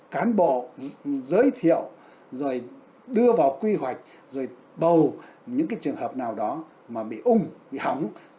cán bộ giới thiệu rồi đưa vào quy hoạch rồi bầu những trường hợp nào đó mà bị ung bị hóng